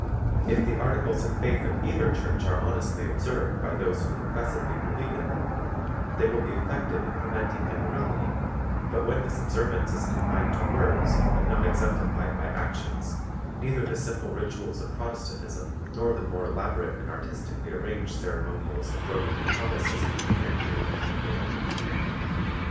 If the articles of faith of either Church are honestly observed by those who professedly believe in them, they will be effective in preventing immorality; but when this observance is confined to words, and not exemplified by actions, neither the simple rituals of Protestantism nor the more elaborate and artistically arranged ceremonials of Roman Catholicism can be of any avail.